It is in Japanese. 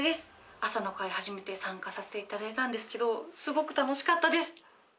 あさのかいはじめてさんかさせていただいたんですけどすごくたのしかったです。